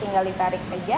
tinggal ditarik aja